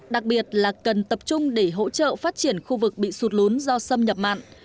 đặc biệt là cần tập trung để hỗ trợ phát triển khu vực bị sụt lún do xâm nhập mặn